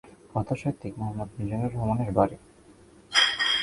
কথাসাহিত্যিক মুহাম্মদ মিজানুর রহমান এর বাড়ী